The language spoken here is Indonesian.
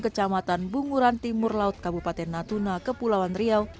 kecamatan bunguran timur laut kabupaten natuna kepulauan riau